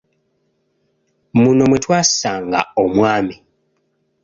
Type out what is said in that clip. Muno mwe twasanga omwami.